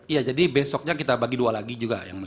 iya jadi besoknya kita bagi dua lagi juga yang mulia